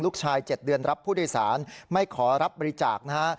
๗เดือนรับผู้โดยสารไม่ขอรับบริจาคนะฮะ